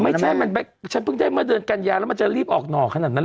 ไม่ใช่ฉันเพิ่งได้เมื่อเดือนกัญญาแล้วมันจะรีบออกหน่อขนาดนั้นเลย